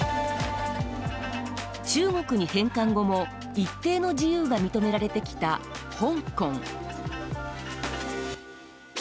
中国に返還後も一定の自由が認められてきた香港。